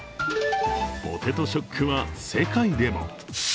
ポテトショックは世界でも。